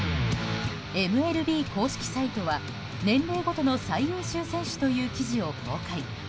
ＭＬＢ公式サイトは「年齢ごとの最優秀選手」という記事を公開。